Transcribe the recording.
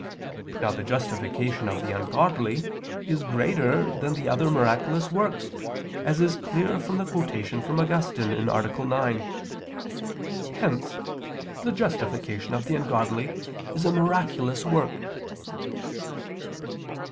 Now the justification of the ungodly is greater than the other miraculous works, as is clear from the quotation from Augustine (A. 9). Hence the justification of the ungodly is a miraculous work.